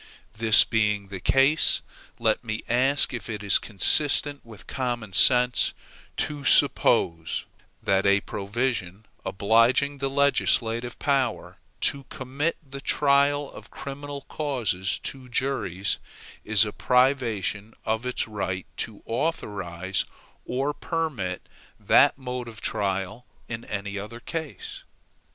This being the case, let me ask if it is consistent with common sense to suppose that a provision obliging the legislative power to commit the trial of criminal causes to juries, is a privation of its right to authorize or permit that mode of trial in other cases?